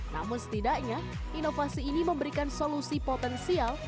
namun setidaknya inovasi ini memberikan solusi potensial